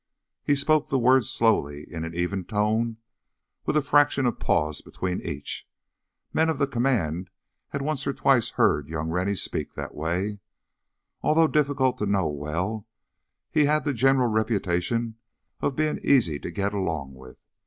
He spoke the words slowly, in an even tone, with a fraction of pause between each. Men of the command had once or twice heard young Rennie speak that way. Although difficult to know well, he had the general reputation of being easy to get along with.